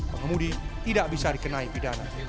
pengemudi tidak bisa dikenal